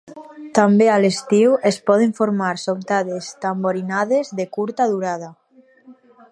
També a l'estiu es poden formar sobtades tamborinades de curta durada.